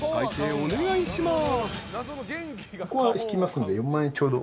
お願いします。